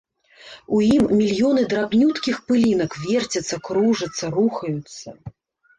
У ім мільёны драбнюткіх пылінак верцяцца, кружацца, рухаюцца.